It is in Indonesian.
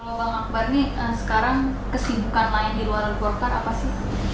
kalau bang akbar ini sekarang kesibukan lain di luar golkar apa sih